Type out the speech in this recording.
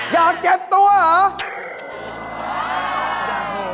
อยากเจ็บตัวหรอ